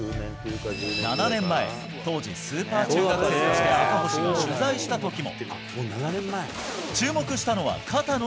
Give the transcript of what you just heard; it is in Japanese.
７年前、当時スーパー中学生として赤星が取材したときも。